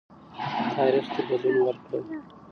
تاریخ ته بدلون ورکړه.